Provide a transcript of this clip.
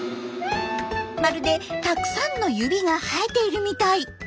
まるでたくさんの指が生えているみたい！